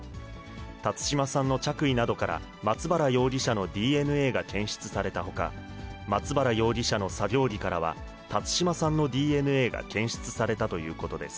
辰島さんの着衣などから、松原容疑者のＤＮＡが検出されたほか、松原容疑者の作業着からは辰島さんのＤＮＡが検出されたということです。